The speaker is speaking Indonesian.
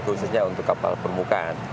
khususnya untuk kapal permukaan